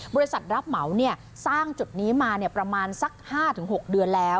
รับเหมาสร้างจุดนี้มาประมาณสัก๕๖เดือนแล้ว